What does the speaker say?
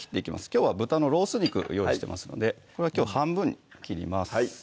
きょうは豚のロース肉用意してますのでこれをきょうは半分に切ります